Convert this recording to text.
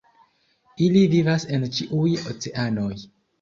Ili vivas en ĉiuj oceanoj.